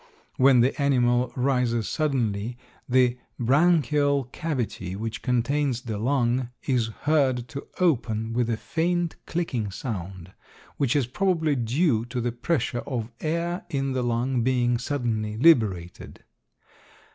When the animal rises suddenly, the branchial cavity which contains the lung is heard to open with a faint, clicking sound, which is probably due to the pressure of air in the lung being suddenly liberated.